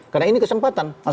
karena ini kesempatan